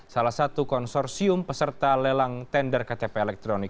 salah satu konsorsium peserta lelang tender ktp elektronik